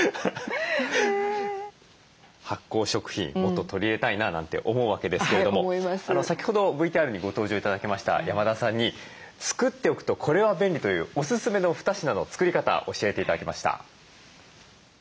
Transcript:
発酵食品もっと取り入れたいななんて思うわけですけれども先ほどＶＴＲにご登場頂きました山田さんに作っておくとこれは便利というおすすめの二品の作り方教えて頂きました。